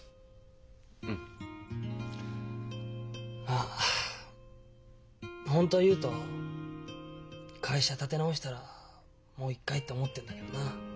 まあ本当言うと会社立て直したらもう一回って思ってんだけどな。